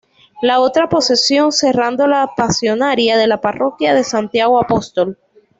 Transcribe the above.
La otra procesión, cerrando la Pasionaria de la Parroquia de Santiago Apóstol.